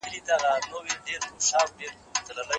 پارلمان به د ځمکو د وېش د قانون کتنې وکړي.